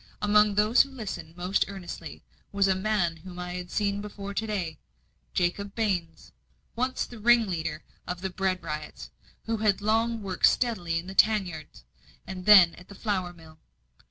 Among those who listened most earnestly, was a man whom I had seen before to day Jacob Baines, once the ringleader of the bread riots, who had long worked steadily in the tan yard, and then at the flour mill.